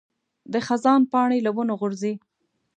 د خزان پاڼې له ونو غورځي.